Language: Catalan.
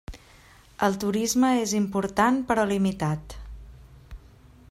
El turisme és important però limitat.